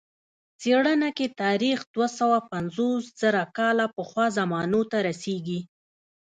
څېړنه کې تاریخ دوه سوه پنځوس زره کاله پخوا زمانو ته رسېږي.